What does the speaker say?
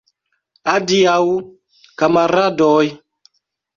Adiaŭ, kamaradoj!